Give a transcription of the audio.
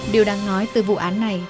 điều đáng nói từ vụ án này